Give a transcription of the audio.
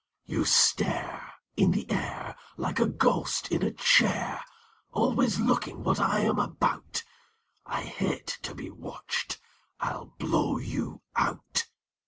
You stare In the air Like a ghost in a chair, Always looking what I am about; I hate to be watched I'll blow you out."